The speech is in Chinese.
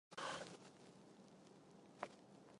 星射虫为星射虫科星射虫属的动物。